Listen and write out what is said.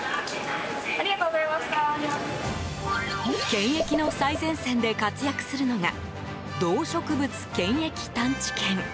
検疫の最前線で活躍するのが動植物検疫探知犬。